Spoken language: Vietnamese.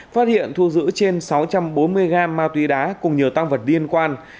phát hiện thu giữ trên sáu trăm bốn mươi gram ma túy đá cùng nhiều tăng vật liên quan